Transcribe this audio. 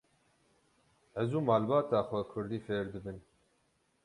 Ez û malbata xwe kurdî fêr dibin.